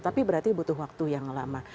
tapi berarti butuh waktu yang lama